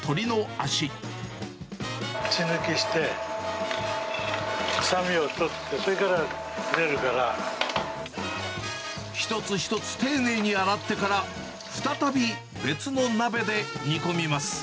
血抜きして、臭みを取って、一つ一つ丁寧に洗ってから、再び別の鍋で煮込みます。